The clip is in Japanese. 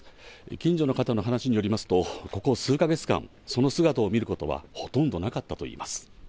近所の方の話によりますと、ここ数か月間、その姿を見ることはほとんどなかったといいます。